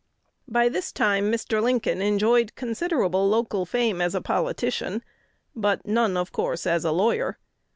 By this time Mr. Lincoln enjoyed considerable local fame as a politician, but none, of course, as a lawyer.